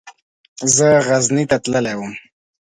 زه غزني ته تللی وم.